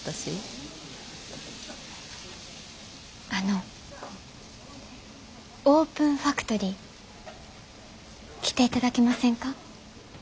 あのオープンファクトリー来ていただけませんか？